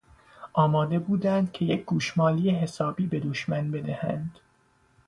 آماده بودند که یک گوشمالی حسابی به دشمن بدهند.